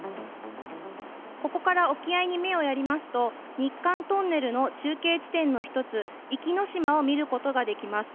ここから沖合に目をやりますと、日韓トンネルの中継地点の一つ、壱岐の島を見ることができます。